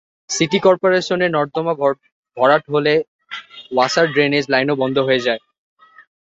City করপোরেশনের নর্দমা ভরাট হলে ওয়াসার ড্রেনেজ লাইনও বন্ধ হয়ে যায়।